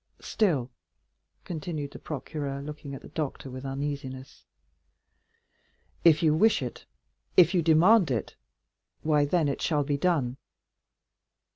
Still," continued the procureur, looking at the doctor with uneasiness, "if you wish it—if you demand it, why then it shall be done.